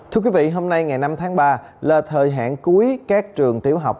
thưa quý vị hôm nay ngày năm tháng ba là thời hạn cuối các trường tiểu học